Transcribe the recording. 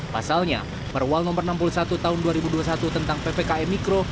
pasalnya perwal nomor enam puluh satu tahun dua ribu dua puluh satu tentang ppkm mikro